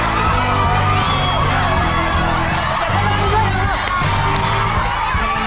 เดี๋ยว